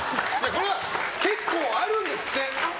これは結構あるんですって。